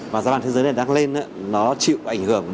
và giá vàng thế giới này đang lên nó chịu ảnh hưởng